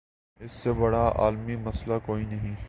اس سے بڑا عالمی مسئلہ کوئی نہیں۔